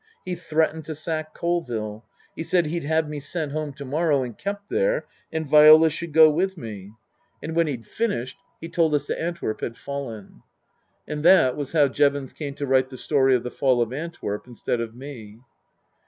He threatened to sack Colville. He said he'd have me sent home to morrow and kept there, and Viola should go with me. 310 Tasker Jevons And when he'd finished he told us that Antwerp had fallen. That was how Jevons came to write the story of the Fall of Antwerp instead of me.